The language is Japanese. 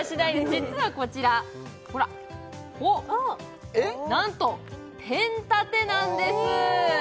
実はこちらほらほっなんとペン立てなんです